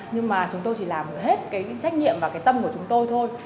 nhưng mà chúng tôi chỉ làm hết cái trách nhiệm và cái tâm của chúng tôi thôi